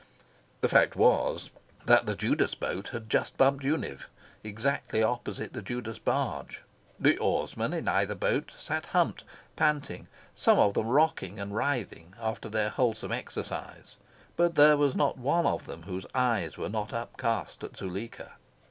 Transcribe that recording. The fact was that the Judas boat had just bumped Univ., exactly opposite the Judas barge. The oarsmen in either boat sat humped, panting, some of them rocking and writhing, after their wholesome exercise. But there was not one of them whose eyes were not upcast at Zuleika.